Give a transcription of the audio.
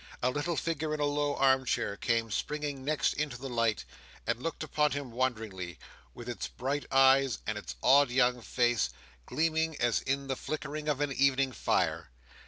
A little figure in a low arm chair came springing next into the light, and looked upon him wonderingly, with its bright eyes and its old young face, gleaming as in the flickering of an evening fire.